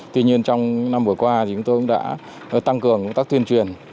tuy nhiên trong năm vừa qua thì chúng tôi cũng đã tăng cường công tác tuyên truyền